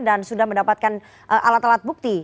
dan sudah mendapatkan alat alat bukti